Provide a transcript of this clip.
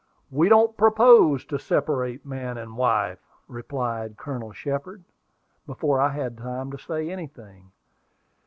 "We don't propose to separate man and wife," replied Colonel Shepard, before I had time to say anything.